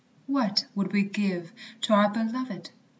What would we give to our beloved?